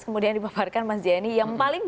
kemudian dipaparkan mas jenny yang paling